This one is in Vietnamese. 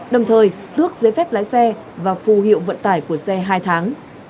đồng thời tước giấy phép lái xe và phù hiệu vận tải của xe hai tháng